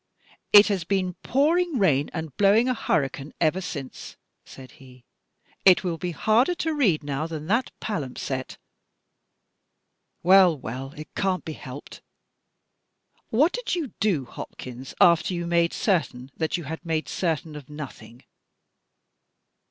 "It has been pouring rain and blowing a hurricane ever since," said he. " It will be harder to read now than that palimpsest. Well, well, it can't be helped. What did you do, Hopkins, after you had made certain that you had made certain of nothing?"